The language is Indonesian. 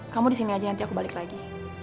kamu disini aja nanti aku balik lagi